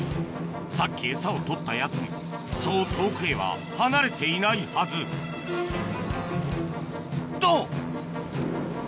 さっきエサを取ったやつもそう遠くへは離れていないはずと！